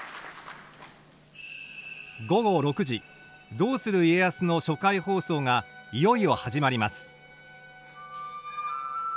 「どうする家康」の初回放送がいよいよ始まります。